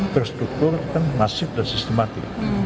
terstruktur kan masif dan sistematik